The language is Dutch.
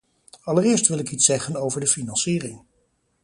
Allereerst wil ik iets zeggen over de financiering.